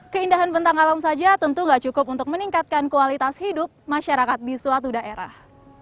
keindahan bentang alam saja tentu tidak cukup untuk meningkatkan kualitas hidup masyarakat di suatu daerah